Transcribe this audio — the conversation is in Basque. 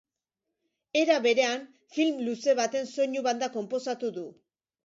Era berean, film luze baten soinu-banda konposatu du.